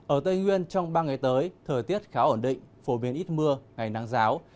ở tây nguyên trong ba ngày tới thời tiết khá ổn định phổ biến ít mưa ngày nắng giáo